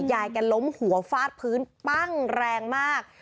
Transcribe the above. ยายแกล้มหัวฟาดพื้นปั้งแรงมาก